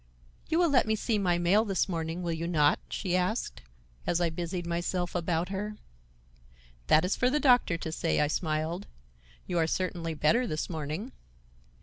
"You will let me see my mail this morning, will you not?" she asked, as I busied myself about her. "That is for the doctor to say," I smiled. "You are certainly better this morning."